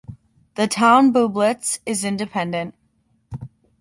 The town Bublitz is independent.